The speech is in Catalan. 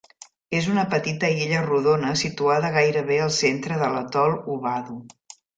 És una petita illa rodona situada gairebé al centre de l'atol Huvadhu.